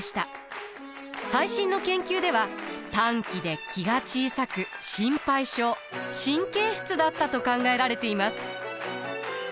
最新の研究では短気で気が小さく心配性神経質だったと考えられています。